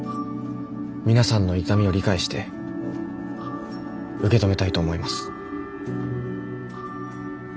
皆さんの痛みを理解して受け止めたいと思います。